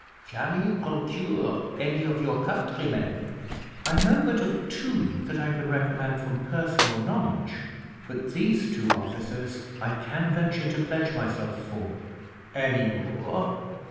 Can you procure any of your countrymen?" "I know but of two that I can recommend from personal knowledge; but these two officers I can venture to pledge myself for." "Any more?"